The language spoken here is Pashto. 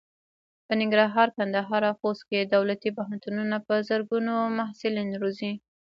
په ننګرهار، کندهار او خوست کې دولتي پوهنتونونه په زرګونو محصلین روزي.